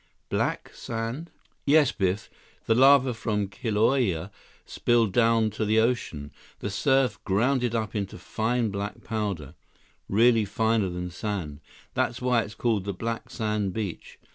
"Black sand?" "Yes, Biff. The lava from Kilauea spilled down to the ocean. The surf ground it up into a fine black powder, really finer than sand. That's why it's called the black sand beach.